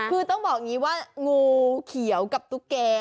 คือต้องบอกอย่างนี้ว่างูเขียวกับตุ๊กแก